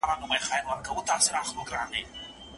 يوسف عليه السلام د خپلو وروڼو لخوا ناحقه ازار سو.